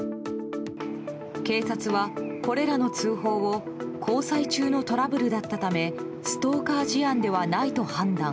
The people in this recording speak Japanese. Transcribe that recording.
警察は、これらの通報を交際中のトラブルだったためストーカー事案ではないと判断。